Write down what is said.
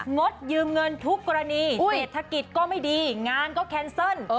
งดยืมเงินทุกกรณีเศรษฐกิจก็ไม่ดีงานก็แคนเซิล